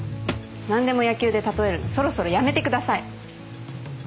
何でも野球で例えるのそろそろやめてください。